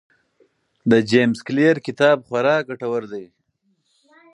د جیمز کلیر کتاب خورا ګټور دی.